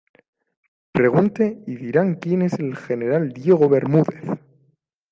pregunte y le dirán quién es el general Diego Bermúdez.